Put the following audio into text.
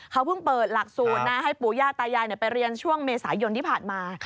เขาเพิ่งเปิดหลักสูตรนะให้ปู่ย่าตายายไปเรียนช่วงเมษายนที่ผ่านมา